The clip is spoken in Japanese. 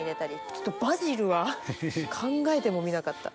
ちょっとバジルは考えてもみなかった。